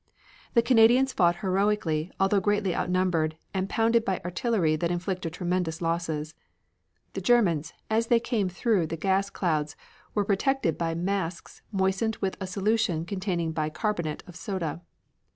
The Canadians fought heroically, although greatly outnumbered and pounded by artillery that inflicted tremendous losses. The Germans, as they came through the gas clouds, were protected by masks moistened with a solution containing bi carbonate of soda.